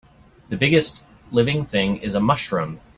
The biggest living thing is a mushroom.